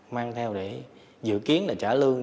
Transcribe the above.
mang theo để dự kiến là trả lương